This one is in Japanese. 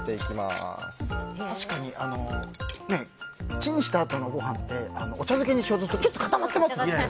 チンしたあとのご飯ってお茶漬けにしようとするとちょっと固まってますよね。